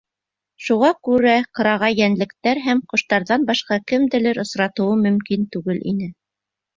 Шуға күрә ҡырағай йәнлектәр һәм ҡоштарҙан башҡа кемделер осратыуым мөмкин түгел ине.